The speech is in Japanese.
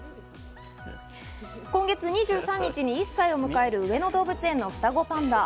今月２３日に１歳を迎える上野動物園の双子パンダ。